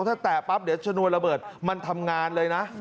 ถ้าแตะปั๊บเดี๋ยวชนวนระเบิดมันทำงานเลยนะ